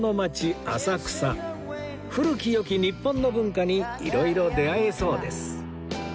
古き良き日本の文化に色々出会えそうです